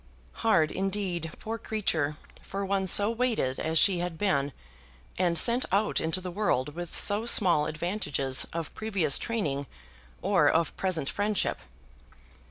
Hard, indeed, poor creature, for one so weighted as she had been, and sent out into the world with so small advantages of previous training or of present friendship!